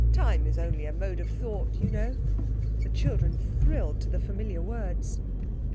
Time is only a mode of thought, you know." The children thrilled to the familiar words.